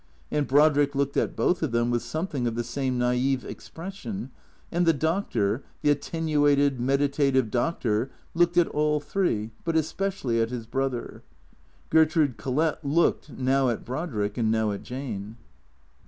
And Brodrick looked at both of them with something of the same naif expression, and the Doctor, the attenuated, meditative Doctor, looked at all three, but especially at his brother. Ger trude Collett looked, now at Brodrick and now at Jane.